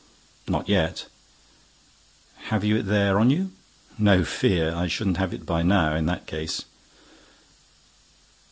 "Not yet." "Have you it there—on you?" "No fear! I shouldn't have it by now, in that case!"